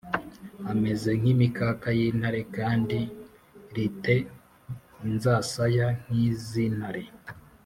Ameze nk imikaka y intare kandi ri te inzasaya nk iz intare